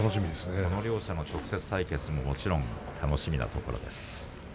この両者の直接対決も楽しみなところです。